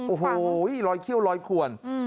โอ้โหโหรอยเคี่ยวรอยควน